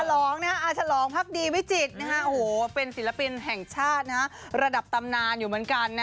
อาฉลองพักดีวิจิตรเป็นศิลปินแห่งชาติระดับตำนานอยู่เหมือนกันนะ